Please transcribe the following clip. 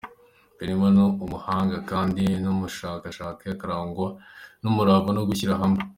Penina ni umuhanga kandi n'umunyabushake, akarangwa n'umurava no gushyira hamwe.